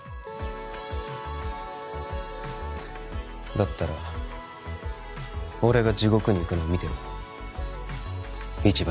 だったら俺が地獄に行くの見てろ一番